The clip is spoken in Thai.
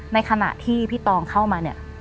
ในขณะที่พี่ตองเข้ามาเนี่ย